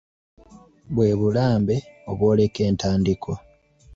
Bwe bulambe obwoleka entandikwa.